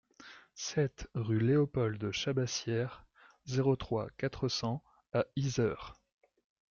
sept rue Léopold Chabassière, zéro trois, quatre cents à Yzeure